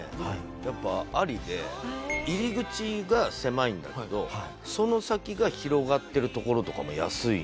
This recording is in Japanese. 入り口が狭いんだけどその先が広がってるところとかも安い。